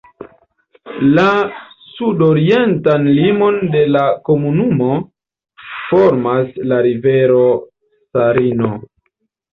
La sudorientan limon de la komunumo formas la rivero Sarino.